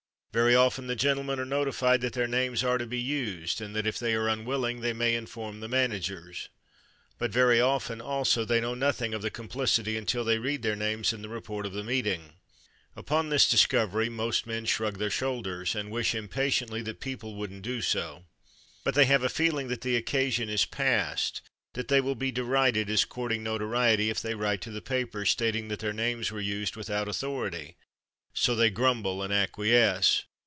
Very often the gentlemen are notified that their names are to be used, and that if they are unwilling they may inform the managers. But very often, also, they know nothing of the complicity until they read their names in the report of the meeting. Upon this discovery most men shrug their shoulders, and wish impatiently that people wouldn't do so. But they have a feeling that the occasion is passed; that they will be derided as courting notoriety if they write to the papers stating that their names were used without authority; so they grumble and acquiesce.